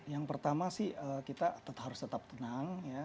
yang pertama sih kita harus tetap tenang